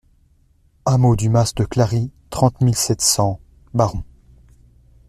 Hameau du Mas de Clary, trente mille sept cents Baron